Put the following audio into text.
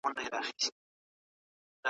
موږ د خپلو لاسونو په مینځلو بوخت یو.